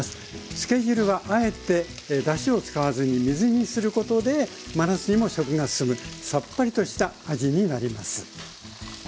つけ汁はあえてだしを使わずに水にすることで真夏にも食が進むさっぱりとした味になります。